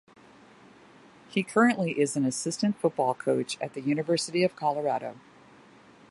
He currently is an assistant football coach at the University of Colorado.